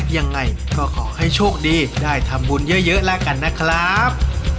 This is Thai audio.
ยังไงก็ขอให้โชคดีได้ทำบุญเยอะแล้วกันนะครับ